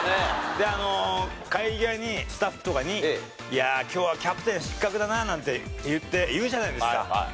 で帰り際にスタッフとかに「いやあ今日はキャプテン失格だな」なんて言うじゃないですか。